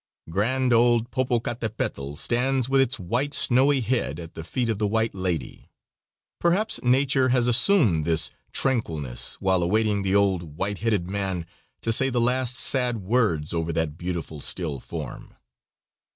Grand old Popocatapetl stands with its white, snowy head at the feet of the White Lady. Perhaps nature has assumed this tranquilness while awaiting the old, white headed man to say the last sad words over that beautiful still form.